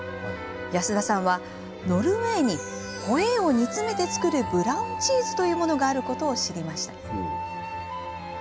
安田さんは、ノルウェーにホエーを煮詰めて作るブラウンチーズというものがあることを知りました。